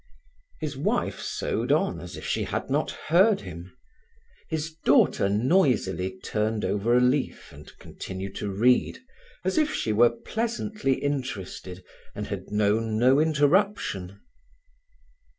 His wife sewed on as if she had not heard him; his daughter noisily turned over a leaf and continued to read, as if she were pleasantly interested and had known no interruption.